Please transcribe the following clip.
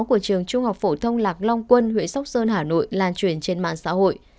của trường trung học phổ thông lạc long quân huyện sóc sơn hà nội lan truyền trên mạng xã hội